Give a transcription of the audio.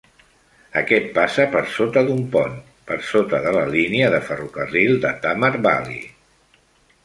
Aquest passa per sota d'un pont, per sota de la línia de ferrocarril de Tamar Valley.